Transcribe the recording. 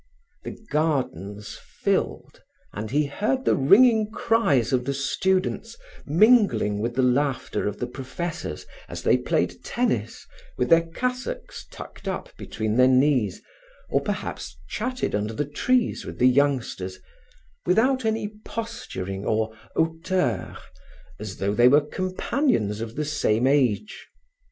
The gardens filled and he heard the ringing cries of the students, mingling with the laughter of the professors as they played tennis, with their cassocks tucked up between their knees, or perhaps chatted under the trees with the youngsters, without any posturing or hauteur, as though they were companions of the same age.